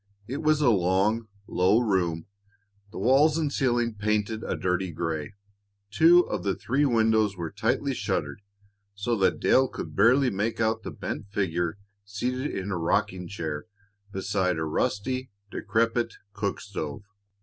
It was a long, low room, the walls and ceiling painted a dirty gray. Two of the three windows were tightly shuttered, so that Dale could barely make out the bent figure seated in a rocking chair beside a rusty, decrepit cook stove.